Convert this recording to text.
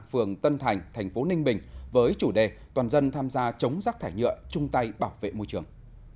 phường tân thành thành phố ninh bình với chủ đề toàn dân tham gia chống rác thải nhựa chung tay bảo vệ môi trường